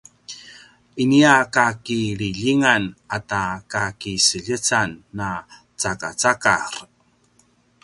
nia kakililjingan ata kakiseljecan a “cakacakar”